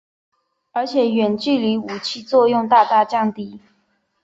而且远距离武器作用大大降低。